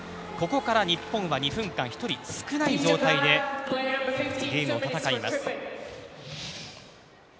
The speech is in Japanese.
ここから日本は２分間１人少ない状態でゲームを戦います。